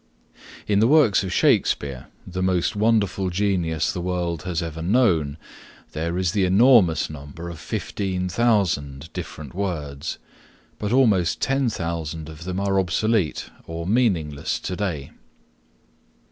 In the works of Shakespeare, the most wonderful genius the world has ever known, there is the enormous number of 15,000 different words, but almost 10,000 of them are obsolete or meaningless today.